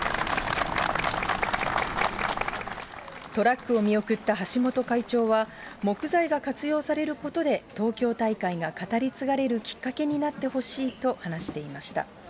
トラックを見送った橋本会長は、木材が活用されることで、東京大会が語り継がれるきっかけになってほしいと話していました。